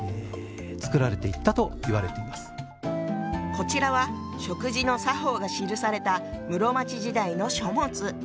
こちらは食事の作法が記された室町時代の書物。